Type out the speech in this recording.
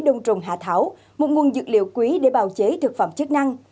đông trùng hạ thảo một nguồn dược liệu quý để bào chế thực phẩm chức năng